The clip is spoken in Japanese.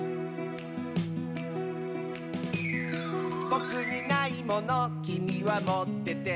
「ぼくにないものきみはもってて」